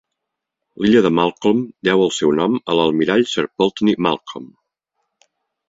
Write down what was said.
L'illa de Malcolm deu el seu nom a l'almirall Sir Pulteney Malcolm.